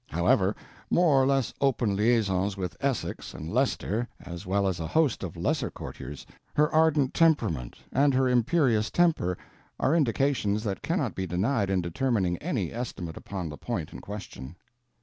However, more or less open liaisons with Essex and Leicester, as well as a host of lesser courtiers, her ardent temperament, and her imperious temper, are indications that cannot be denied in determining any estimate upon the point in question.